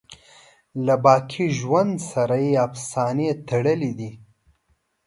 له باقی ژوند سره یې افسانې تړلي دي.